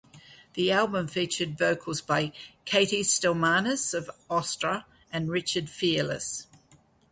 The album featured vocals by Katie Stelmanis of Austra and Richard Fearless.